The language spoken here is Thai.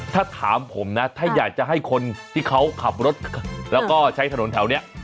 ถ้าถามผมนะถ้าอยากจะให้คนที่เขาขับรถแล้วก็ใช้ถนนแถวนี้